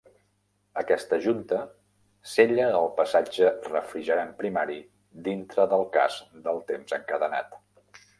Aquesta junta sella el passatge refrigerant primari dintre del cas del temps encadenat.